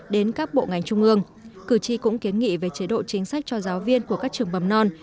đến các bộ ngành trung ương cử tri cũng kiến nghị về chế độ chính sách cho giáo viên của các trường bầm non